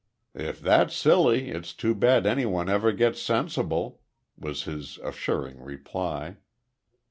"If that's silly, it's too bad anyone ever gets sensible," was his assuring reply.